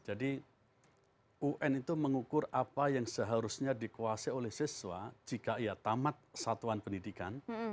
jadi un itu mengukur apa yang seharusnya dikuasai oleh siswa jika ia tamat satuan pendidikan